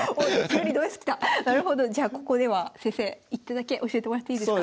じゃあここでは先生一手だけ教えてもらっていいですか？